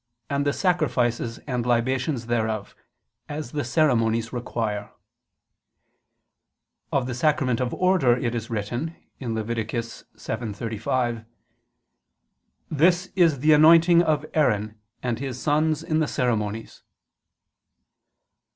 . and the sacrifices and libations thereof, as the ceremonies require." Of the sacrament of Order it is written (Lev. 7:35): "This is the anointing of Aaron and his sons in the ceremonies."